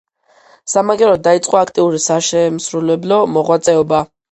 სამაგიეროდ დაიწყო აქტიური საშემსრულებლო მოღვაწეობა.